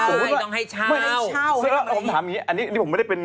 ผมถามอย่างนี้อันนี้ผมไม่ได้ถาม